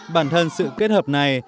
bản thân sự kết hợp này